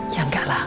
ya enggak lah